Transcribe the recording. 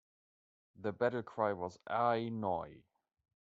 Their battle cry was A Noi!